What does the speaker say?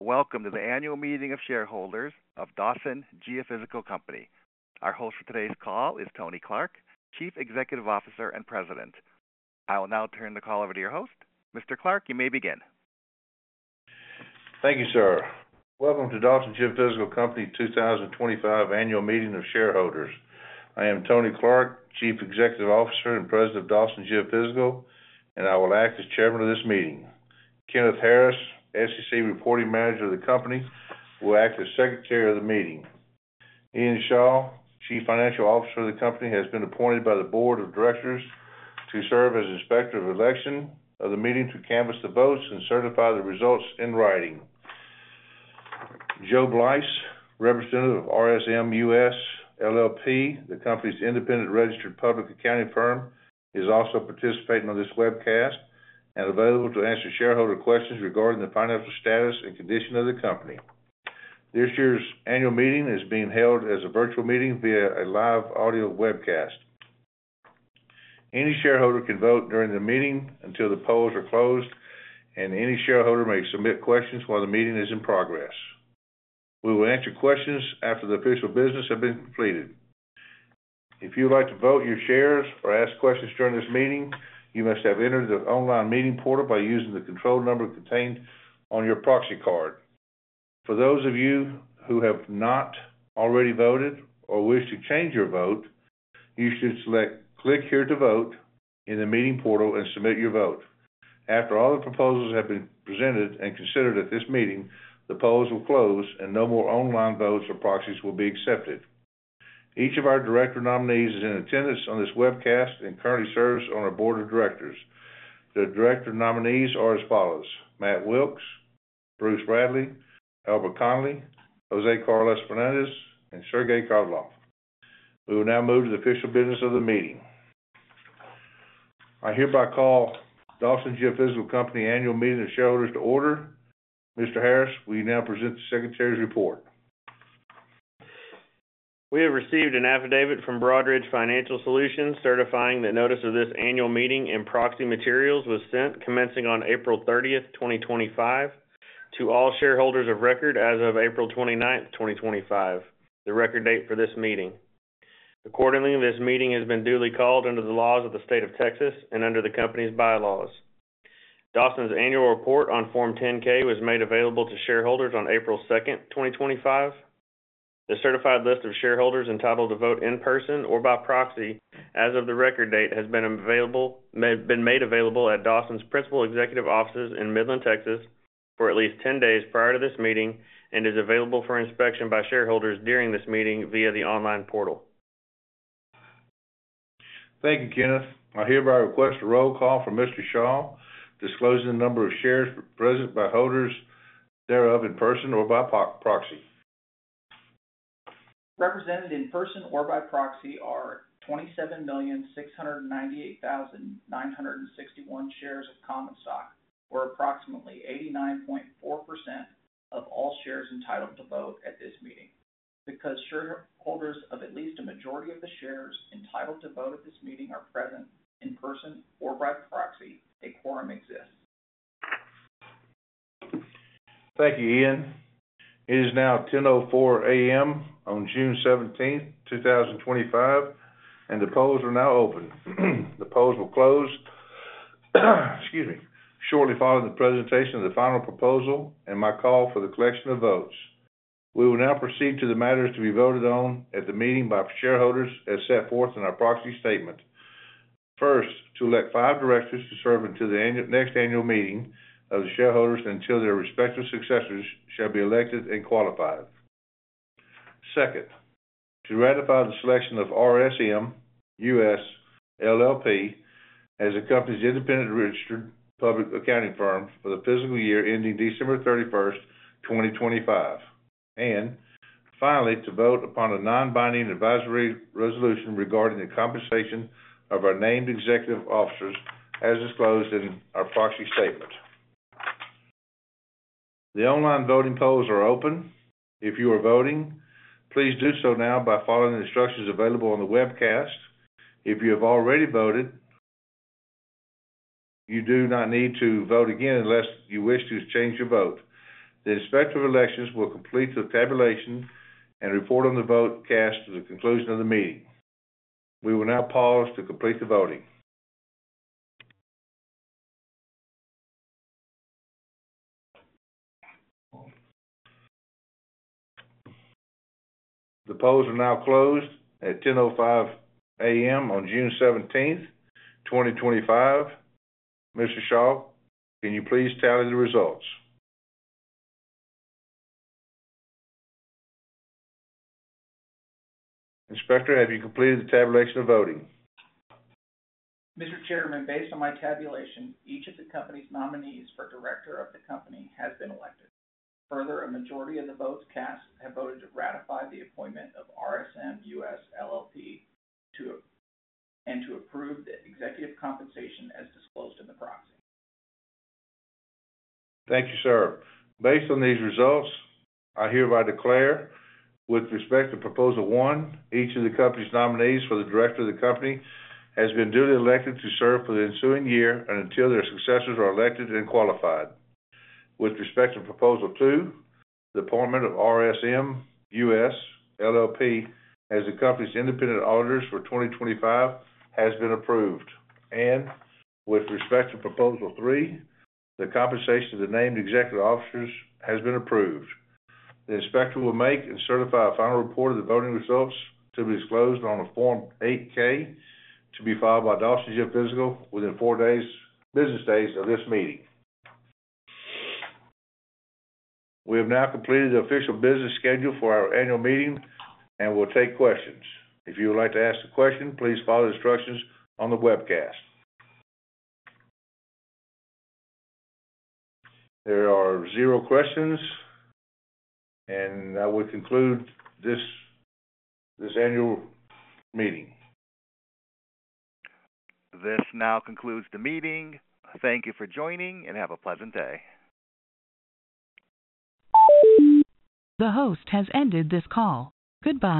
Welcome to the annual meeting of shareholders of Dawson Geophysical Company. Our host for today's call is Tony Clark, Chief Executive Officer and President. I will now turn the call over to your host. Mr. Clark, you may begin. Thank you, sir. Welcome to Dawson Geophysical Company 2025 annual meeting of shareholders. I am Tony Clark, Chief Executive Officer and President of Dawson Geophysical, and I will act as Chairman of this meeting. Kenneth Harris, SEC Reporting Manager of the Company, will act as Secretary of the Meeting. Ian Shaw, Chief Financial Officer of the Company, has been appointed by the Board of Directors to serve as Inspector of Election of the meeting to canvass the votes and certify the results in writing. Joe Blythe, Representative of RSM US LLP, the Company's Independent Registered Public Accounting Firm, is also participating on this webcast and available to answer shareholder questions regarding the financial status and condition of the Company. This year's annual meeting is being held as a virtual meeting via a live audio webcast. Any shareholder can vote during the meeting until the polls are closed, and any shareholder may submit questions while the meeting is in progress. We will answer questions after the official business has been completed. If you would like to vote your shares or ask questions during this meeting, you must have entered the online meeting portal by using the control number contained on your proxy card. For those of you who have not already voted or wish to change your vote, you should select "Click here to vote" in the meeting portal and submit your vote. After all the proposals have been presented and considered at this meeting, the polls will close and no more online votes or proxies will be accepted. Each of our Director Nominees is in attendance on this webcast and currently serves on our Board of Directors. The Director Nominees are as follows: Matt Wilks, Bruce Bradley, Elmer Connolly, José Carlos Fernandez, and Sergei Krylov. We will now move to the official business of the meeting. I hereby call Dawson Geophysical Company Annual Meeting of Shareholders to order. Mr. Harris, will you now present the Secretary's report? We have received an affidavit from Broadridge Financial Solutions certifying that notice of this annual meeting and proxy materials was sent commencing on April 30th, 2025, to all shareholders of record as of April 29th, 2025, the record date for this meeting. Accordingly, this meeting has been duly called under the laws of the state of Texas and under the Company's bylaws. Dawson's annual report on Form 10-K was made available to shareholders on April 22nd, 2025. The certified list of shareholders entitled to vote in person or by proxy as of the record date has been made available at Dawson's principal executive offices in Midland, Texas, for at least 10 days prior to this meeting and is available for inspection by shareholders during this meeting via the online portal. Thank you, Kenneth. I hereby request a roll call for Mr. Shaw, disclosing the number of shares present by holders thereof in person or by proxy. Represented in person or by proxy are 27,698,961 shares of common stock, or approximately 89.4% of all shares entitled to vote at this meeting. Because shareholders of at least a majority of the shares entitled to vote at this meeting are present in person or by proxy, a quorum exists. Thank you, Ian. It is now 10:04 A.M. on June 17th, 2025, and the polls are now open. The polls will close, excuse me, shortly following the presentation of the final proposal and my call for the collection of votes. We will now proceed to the matters to be voted on at the meeting by shareholders as set forth in our proxy statement. First, to elect five directors to serve until the next annual meeting of the shareholders until their respective successors shall be elected and qualified. Second, to ratify the selection of RSM US LLP as the Company's Independent Registered Public Accounting Firm for the fiscal year ending December 31st, 2025. Finally, to vote upon a non-binding advisory resolution regarding the compensation of our named executive officers as disclosed in our proxy statement. The online voting polls are open. If you are voting, please do so now by following the instructions available on the webcast. If you have already voted, you do not need to vote again unless you wish to change your vote. The Inspector of Election will complete the tabulation and report on the vote cast to the conclusion of the meeting. We will now pause to complete the voting. The polls are now closed at 10:05 A.M. on June 17th, 2025. Mr. Shaw, can you please tally the results? Inspector, have you completed the tabulation of voting? Mr. Chairman, based on my tabulation, each of the Company's nominees for Director of the Company has been elected. Further, a majority of the votes cast have voted to ratify the appointment of RSM US LLP and to approve the executive compensation as disclosed in the proxy. Thank you, sir. Based on these results, I hereby declare, with respect to Proposal One, each of the Company's nominees for the Director of the Company has been duly elected to serve for the ensuing year and until their successors are elected and qualified. With respect to Proposal Two, the appointment of RSM US LLP as the Company's Independent Auditor for 2025 has been approved. With respect to Proposal Three, the compensation of the named executive officers has been approved. The inspector will make and certify a final report of the voting results to be disclosed on Form 8-K to be filed by Dawson Geophysical within four business days of this meeting. We have now completed the official business schedule for our annual meeting and will take questions. If you would like to ask a question, please follow the instructions on the webcast. There are zero questions, and that would conclude this annual meeting. This now concludes the meeting. Thank you for joining and have a pleasant day. The host has ended this call. Goodbye.